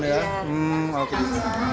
ya paham ya